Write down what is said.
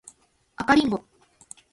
赤リンゴ